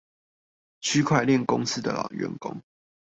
區塊鏈公司的員工